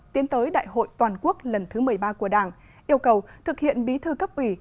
tiến tới đại hội toàn quốc lần thứ một mươi ba của đảng yêu cầu thực hiện bí thư cấp ủy